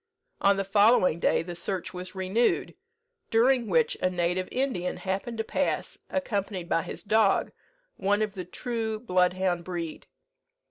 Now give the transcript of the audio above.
On the following day the search was renewed, during which a native Indian happened to pass, accompanied by his dog, one of the true bloodhound breed.